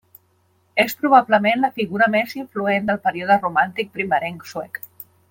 És probablement la figura més influent del període romàntic primerenc suec.